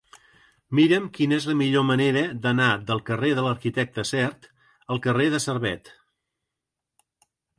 Mira'm quina és la millor manera d'anar del carrer de l'Arquitecte Sert al carrer de Servet.